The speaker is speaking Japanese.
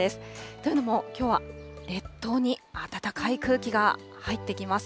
というのも、きょうは列島に暖かい空気が入ってきます。